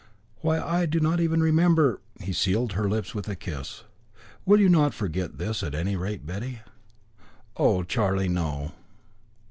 Why, I do not even remember " He sealed her lips with a kiss. "You will not forget this, at any rate, Betty." "Oh, Charlie, no!"